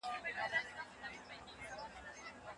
د میرویس خان نیکه هوښیاري د قدر وړ ده.